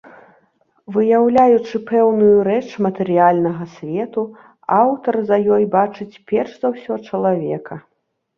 Выяўляючы пэўную рэч матэрыяльнага свету, аўтар за ёй бачыць перш за ўсё чалавека.